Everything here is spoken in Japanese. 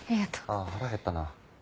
ああ腹減ったな。